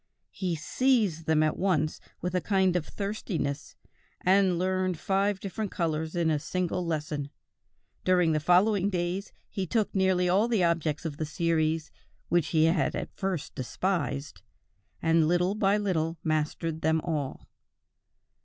He seized them at once with a kind of thirstiness, and learned five different colors in a single lesson; during the following days he took nearly all the objects of the series which he had at first despised, and little by little mastered them all.